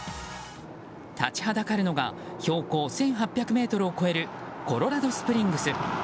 立ちはだかるのが標高１８００ｍを超えるコロラド・スプリングス。